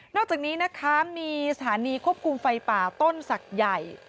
อกจากนี้นะคะมีสถานีควบคุมไฟป่าต้นศักดิ์ใหญ่